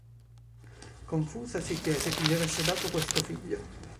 Confusa, si chiese chi gli avesse dato questo figlio.